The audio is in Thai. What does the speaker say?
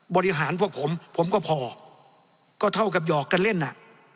บริหารพวกผมผมก็พอก็เท่ากับหยอกกันเล่นน่ะ